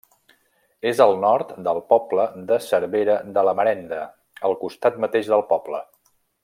És al nord del poble de Cervera de la Marenda, al costat mateix del poble.